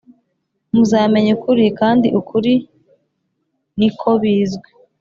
Muzamenya ukuri kandi ukuri ni ko bizwi